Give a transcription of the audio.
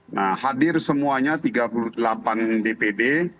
nah hadir semuanya tiga puluh delapan dpd